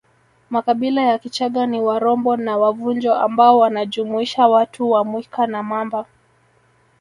Makabila ya Kichaga ni Warombo na Wavunjo ambao wanajumuisha watu wa Mwika na Mamba